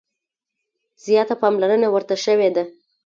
زیاته پاملرنه ورته شوې ده.